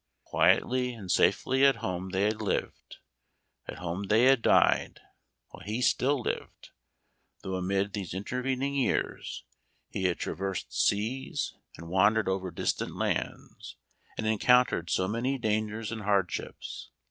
Quietly and safely at home they had lived — at home they had died while he still lived, though amid these intervening years he had traversed seas, and Memoir of Washington Irving. 27 wandered over distant lands, and encountered so many dangers and hardships.